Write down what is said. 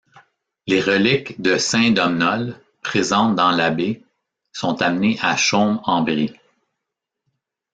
Les reliques de saint Domnole, présentes dans l'abbaye, sont emmenées à Chaumes-en-Brie.